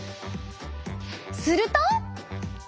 すると！